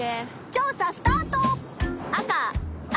調査スタート！